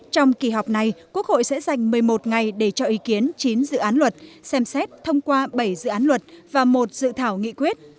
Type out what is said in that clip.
trong kỳ họp này quốc hội sẽ dành một mươi một ngày để cho ý kiến chín dự án luật xem xét thông qua bảy dự án luật và một dự thảo nghị quyết